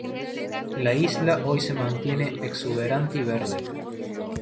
La isla hoy se mantiene exuberante y verde.